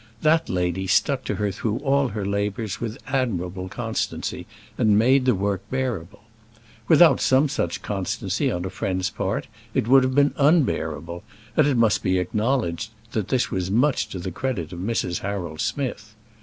That lady stuck to her through all her labours with admirable constancy, and made the work bearable. Without some such constancy on a friend's part, it would have been unbearable. And it must be acknowledged that this was much to the credit of Mrs. Harold Smith.